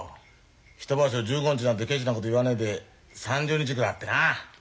１場所１５日なんてケチなこと言わねえで３０日ぐらいあってなあ。